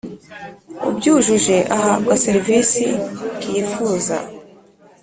ubyujuje ahabwa serivisi yifuza.